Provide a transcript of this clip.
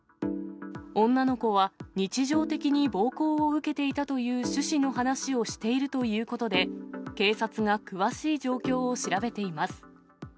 女の子は日常的に暴行を受けていたという趣旨の話をしているということで、警察が詳しい状況を調べています。